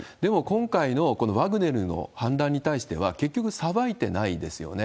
でも、今回のこのワグネルの反乱に対しては、結局裁いてないですよね。